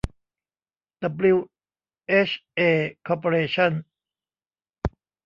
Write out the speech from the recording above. ดับบลิวเอชเอ คอร์ปอเรชั่น